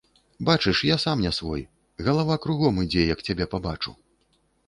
Бачыш, я сам не свой, галава кругом ідзе, як цябе пабачу.